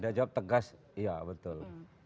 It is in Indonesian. dia jawab tegas iya betul